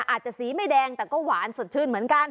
อาจจะสีไม่แดงแต่ก็หวานสดชื่นเหมือนกัน